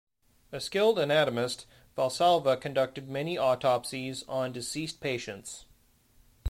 A skilled anatomist, Valsalva conducted many autopsies on deceased patients.